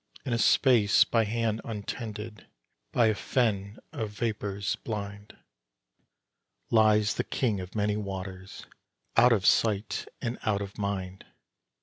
In a space by hand untended, by a fen of vapours blind, Lies the king of many waters out of sight and out of mind!